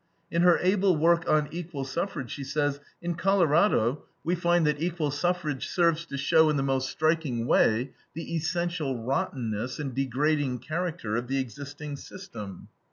In her able work on EQUAL SUFFRAGE, she says: "In Colorado, we find that equal suffrage serves to show in the most striking way the essential rottenness and degrading character of the existing system."